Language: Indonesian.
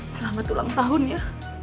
selamat ulang tahun ya